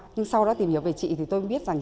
nhưng sau đó tìm hiểu về chị thì tôi biết rằng